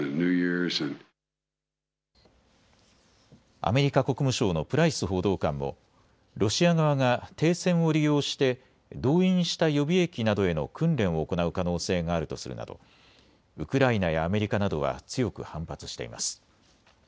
アメリカ国務省のプライス報道官もロシア側が停戦を利用して動員した予備役などへの訓練を行う可能性があるとするなどウクライナやアメリカなどは強く反発しています。